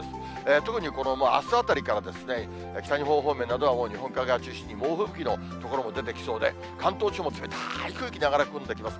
特にあすあたりから北日本方面などは、日本海側を中心に猛吹雪の所も出てきそうで、関東地方も冷たい空気流れ込んできます。